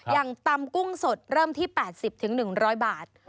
อย่างตำกุ้งสดเริ่มที่๘๐๑๐๐บาท